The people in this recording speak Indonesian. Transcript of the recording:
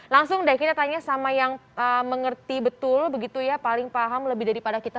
langsung deh kita tanya sama yang mengerti betul begitu ya paling paham lebih daripada kita